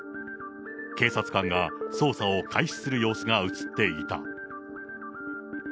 警察官が捜査を開始する様子が写っていた。